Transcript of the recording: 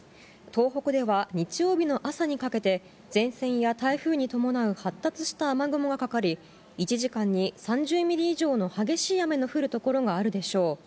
東北では日曜日の朝にかけて、前線や台風に伴う発達した雨雲がかかり、１時間に３０ミリ以上の激しい雨の降る所があるでしょう。